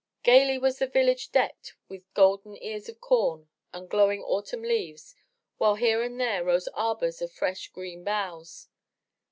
Gaily was the village decked with golden ears of com and glowing autumn leaves while here and there rose arbors of fresh green boughs.